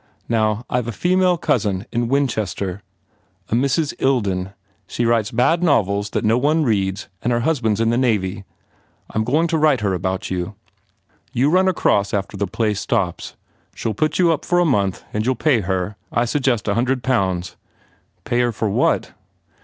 Now, I ve a female cousin in Winchester, a Mrs. Ilden. She writes bad novels that no one reads and her husband s in the Navy. I m going to write her about you. You run across after the play stops. She ll put you up for a month and you ll pay her I suggest a hundred pounds." "Pay her for what?"